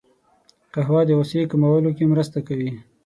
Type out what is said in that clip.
قهوه د غوسې کمولو کې مرسته کوي